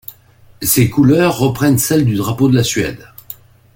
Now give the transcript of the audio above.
Ces couleurs reprennent celles du drapeau de la Suède.